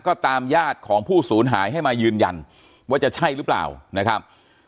ก็ตามญาติของผู้สูญหายให้มายืนยันว่าจะใช่หรือเปล่านะครับ